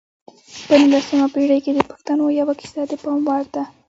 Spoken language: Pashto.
په نولسمه پېړۍ کې د پښتنو یوه کیسه د پام وړ ده.